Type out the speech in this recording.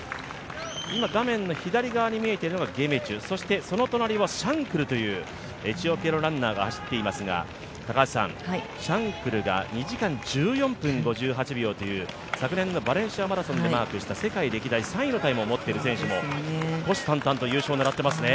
今、画面の左側に見えているのがゲメチュ、そしてその隣をシャンクルというエチオピアの選手が走っていますが、シャンクルが２時間１４分５８秒という昨年のバレンシア・マラソンでマークした世界歴代３位のタイムを持っている選手も、虎視眈々と狙っていますね